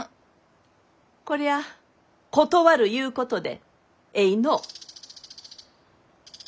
こりゃあ断るゆうことでえいのう？